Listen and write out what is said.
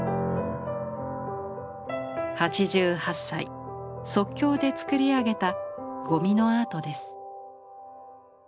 ８８歳即興で作り上げたゴミのアートです。